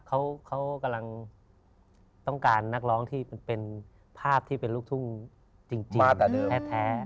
เขากำลังต้องการนักร้องที่เป็นภาพที่เป็นลูกทุ่งจริงแท้